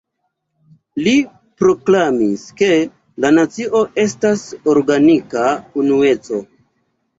Li proklamis, ke la nacio estas organika unueco.